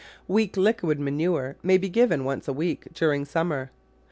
Weak liquid manure may be given once a week during summer.